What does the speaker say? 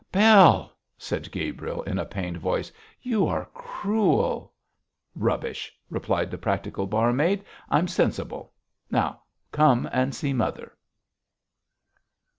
'Bell,' said Gabriel, in a pained voice, 'you are cruel!' 'Rubbish!' replied the practical barmaid, 'I'm sensible. Now, come and see mother.'